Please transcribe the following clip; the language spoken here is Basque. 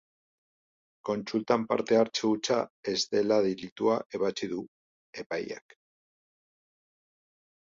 Kontsultan parte hartze hutsa ez dela delitua ebatzi du epaileak.